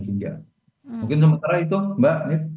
mungkin sementara itu mbak